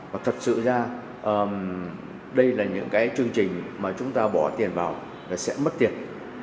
và thật sự ra đây là những cái chương trình mà chúng ta bỏ tiền vào là sẽ mất tiền